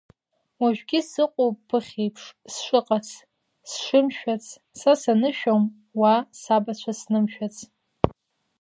Уажәгьы сыҟоуп ԥыхьеиԥш, сшыҟац, сшымшәац, са санышәом, уаа, сабацәа знымшәац…